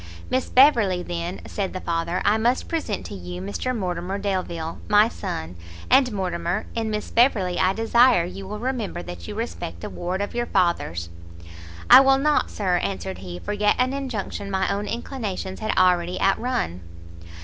"Miss Beverley, then," said the father, "I must present to you Mr Mortimer Delvile, my son; and, Mortimer, in Miss Beverley I desire you will remember that you respect a ward of your father's." "I will not, Sir," answered he, "forget an injunction my own inclinations had already out run."